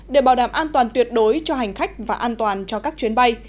để bảo đảm an toàn tuyệt đối cho hành khách và an toàn cho các chuyến bay